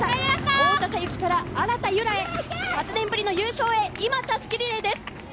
太田咲雪から荒田悠良へ、８年ぶりの優勝へ、今、襷リレーです。